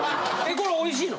これおいしいの？